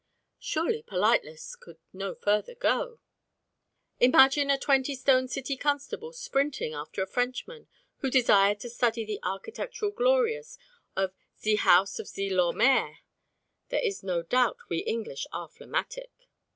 Surely politeness could no further go! Imagine a twenty stone City constable "sprinting" after a Frenchman who desired to study the architectural glories of "Ze house of ze Lor Maire"! There is no doubt we English are phlegmatic.